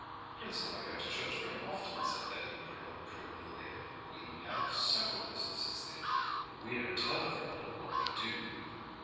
'Prince and I go to church very often,' said Betty, putting on a prim little air. 'We have several businesses there; but we don't tell every one what we do.'